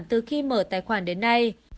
từ khi mở tài khoản đến nay